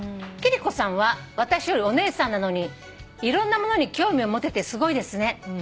貴理子さんは私よりお姉さんなのにいろんなものに興味を持ててすごいですね。